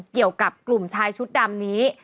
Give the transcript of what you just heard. เกี่ยวกับกลุ่มชายชุดดำนี้